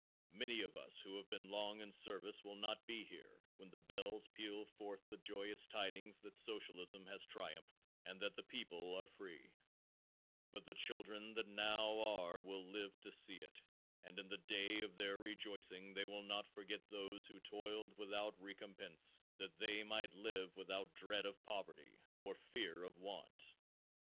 Many of us who have been long in service will not be here when the bells peal forth the joyous tidings that socialism has triumphed and that the people are free, but the children that now are will live to see it and in the day of their rejoicing they will not forget those who toiled without recompense that they might live without dread of poverty or fear of want.